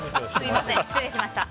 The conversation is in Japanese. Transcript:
失礼しました。